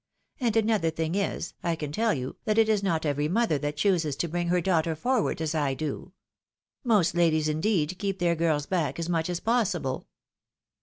And another thing is, I can tell you, that it is not every mother that chooses to bring her daughter forward as I do. Most ladies, iiideed, keep their girls back as much as possible."